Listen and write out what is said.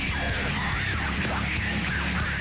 ท่านหายทำ